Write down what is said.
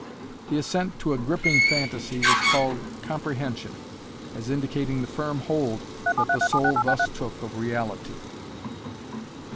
The assent to a griping phantasy was called "comprehension," as indicating the firm hold that the soul thus took of reality.